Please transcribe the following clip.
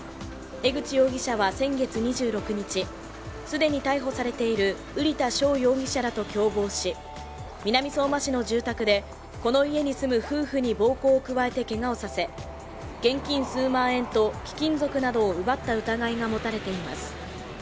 江口容疑者は先月２６日、既に逮捕されている瓜田翔容疑者らと共謀し、南相馬市の住宅でこの家に住む夫婦に暴行を加えてけがをさせ現金数万円と貴金属などを奪った疑いが持たれています。